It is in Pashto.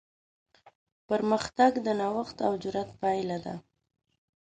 پرمختګ د نوښت او جرات پایله ده.